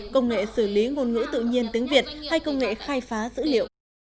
công nghệ xử lý ngôn ngữ tự nhiên tiếng việt hay công nghệ khai phá dữ liệu